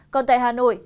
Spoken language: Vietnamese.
còn tại hà nội